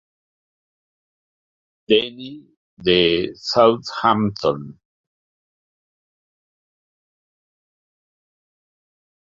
Deny de Southampton.